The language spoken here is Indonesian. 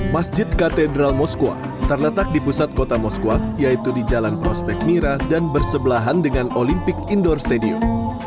masjid katedral moskwa terletak di pusat kota moskwa yaitu di jalan prospek mira dan bersebelahan dengan olimpik indoor stadium